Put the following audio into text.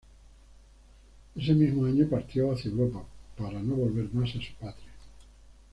Ese mismo año partió hacia Europa, para no volver más a su patria.